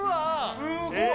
すごい。